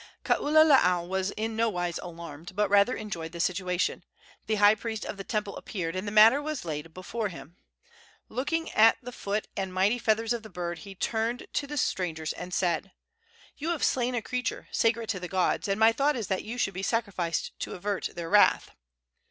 Kaululaau was in nowise alarmed, but rather enjoyed the situation. The high priest of the temple appeared and the matter was laid before him. Looking at the foot and mighty feathers of the bird, he turned to the strangers and said: "You have slain a creature sacred to the gods, and my thought is that you should be sacrificed to avert their wrath."